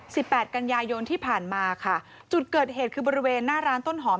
แปดกันยายนที่ผ่านมาค่ะจุดเกิดเหตุคือบริเวณหน้าร้านต้นหอม